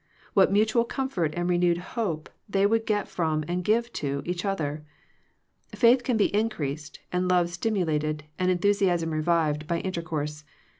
What mutual comfort, and renewed hope, they would get from, and give to, each other! Faith can be increased, and love stimulated, and enthusiasm revived by intercourse.